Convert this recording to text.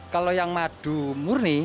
kalau yang madu murni